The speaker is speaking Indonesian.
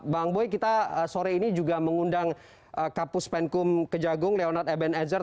bang boy kita sore ini juga mengundang kapus penkum kejagung leonard ebene ezer